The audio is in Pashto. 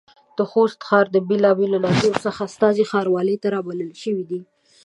د خوست ښار د بېلابېلو ناحيو څخه استازي ښاروالۍ ته رابلل شوي دي.